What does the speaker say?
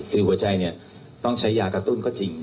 คือหัวใจต้องใช้ยากระตุ้นก็จริง